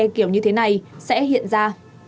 kiểu như thế này sẽ hiện ra